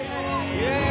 イエイ！